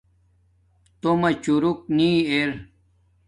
تومہ چوروک نی ار